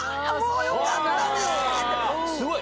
すごい！